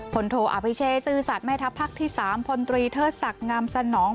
ผลโทอภิเชษซื้อศาสตร์แม่ทัพภักดิ์ที่สามพลตรีเทอดศักดิ์งามสนอง